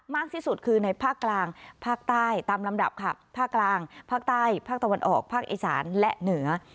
มากที่สุดคือในภาคกลางภาคใต้ตามลำดับค่ะภาคกลางภาคใต้ภาคตะวันออกภาคอีสานและเหนือ